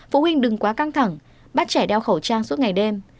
phụ huynh đừng quá căng thẳng bắt trẻ đeo khẩu trang suốt ngày đêm